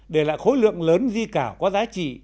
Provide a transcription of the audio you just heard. để lại khối lượng lớn di cảo có giá trị